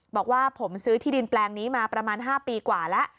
บอกว่าผมซื้อที่ดินแปลงนี้มาประมาณ๕ปีกว่าแล้ว